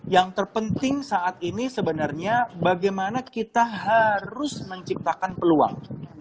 yang terpenting saat ini sebenarnya bagaimana kita harus menciptakan peluang